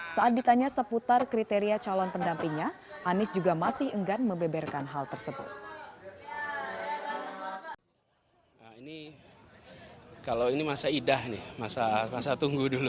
saat ditanya seputar kriteria calon pendampingnya anies juga masih enggan membeberkan hal tersebut